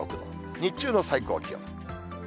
日中の最高気温。